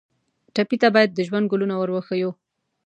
ټپي ته باید د ژوند ګلونه ور وښیو.